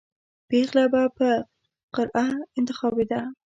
پېغله به په قرعه انتخابېده.